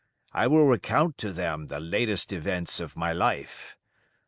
I will recount to them the latest events of my life.